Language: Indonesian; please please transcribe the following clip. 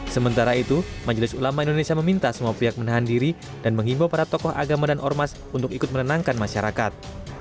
sementara itu majelis ulama indonesia meminta semua pihak menahan diri dan mengimbau para tokoh agama dan ormas untuk ikut menenangkan masyarakat